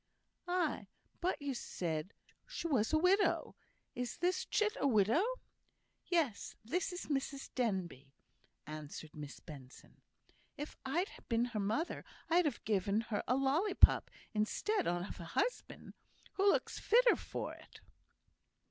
"Aye, but you said hoo was a widow. Is this chit a widow?" "Yes, this is Mrs Denbigh," answered Miss Benson. "If I'd been her mother, I'd ha' given her a lollypop instead of a husband. Hoo looks fitter for it."